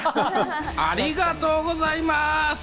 ありがとうございます。